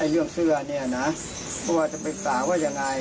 เรื่องเสื้อก็ว่าจะปรึกษาว่ายังไง